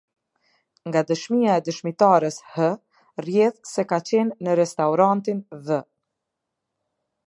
Nga dëshmia e dëshmitares H, rrjedhë se ka qenë në restaurantin V.